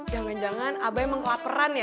jangan jangan abah yang mengelaperan ya